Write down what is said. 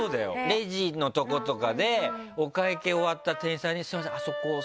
レジのとことかでお会計終わった店員さんに。